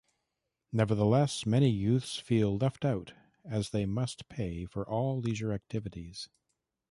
Nevertheless, many youths feel left out, as they must pay for all leisure activities.